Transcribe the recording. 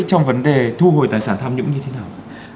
trong vấn đề thu hồi tài sản tham nhũng như thế nào